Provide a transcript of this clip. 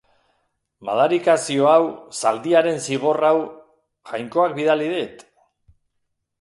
Madarikazio hau, zaldiaren zigor hau, Jainkoak bidali dit?.